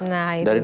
nah itu dia